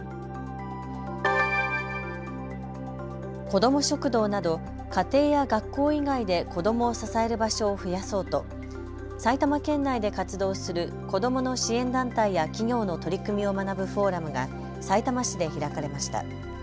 子ども食堂など家庭や学校以外で子どもを支える場所を増やそうと埼玉県内で活動する子どもの支援団体や企業の取り組みを学ぶフォーラムがさいたま市で開かれました。